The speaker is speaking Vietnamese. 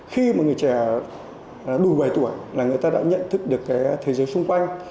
khi mà người trẻ đủ bảy tuổi là người ta đã nhận thức được cái thế giới xung quanh